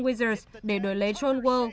wizards để đổi lấy john wall